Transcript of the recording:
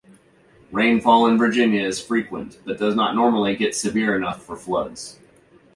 Rainfall in Virginia is frequent, but does not normally get severe enough for floods.